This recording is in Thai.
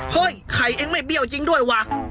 เฮ้ยไข่เองไม่เบี้ยวจริงด้วยว่ะ